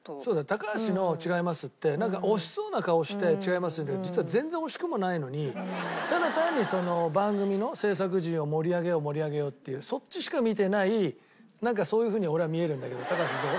高橋の「違います！」って惜しそうな顔をして「違います！」って言うけど実は全然惜しくもないのにただ単に番組の制作陣を盛り上げよう盛り上げようっていうそっちしか見てないなんかそういう風に俺は見えるんだけど高橋どう？